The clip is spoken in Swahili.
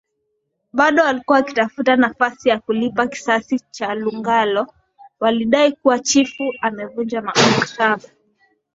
Bado walikuwa wakitafuta nafasi ya kulipa kisasi cha Lugalo walidai kuwa chifu amevunja mkataba